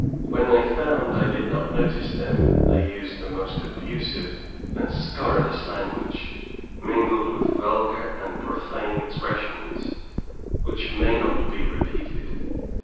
When they found I did not notice them they used the most abusive and scurrilous language, mingled with vulgar and profane expressions, which may not be repeated.